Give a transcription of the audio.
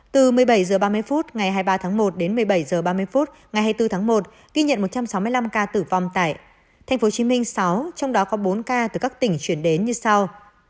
từ một mươi bảy h ba mươi phút ngày hai mươi ba tháng một đến một mươi bảy h ba mươi phút ngày hai mươi bốn tháng một ghi nhận một trăm sáu mươi năm ca tử vong tại tp hcm sáu trong đó có bốn ca từ các tỉnh chuyển đến như sau